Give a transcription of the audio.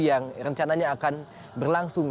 yang rencananya akan berlangsung